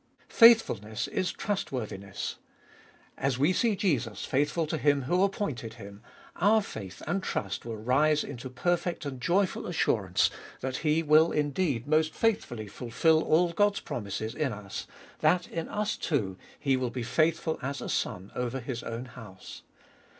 Faithful ness is trustworthiness. As we see Jesus faithful to Him who appointed Him, our faith and trust will rise into perfect and joyful assurance that He will indeed most faithfully fulfil all God's promises in us, that in us too He will be faithful as a Son over His own house.